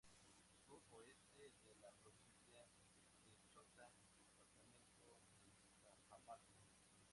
Sur-Oeste de la Provincia de Chota departamento de Cajamarca.